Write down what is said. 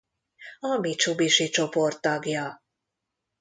A Mitsubishi Csoport tagja.